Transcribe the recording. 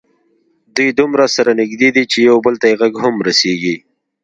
دوی دومره سره نږدې دي چې یو بل ته یې غږ هم رسېږي.